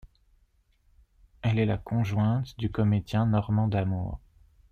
Elle est la conjointe du comédien Normand D'Amour.